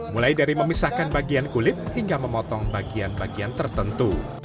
mulai dari memisahkan bagian kulit hingga memotong bagian bagian tertentu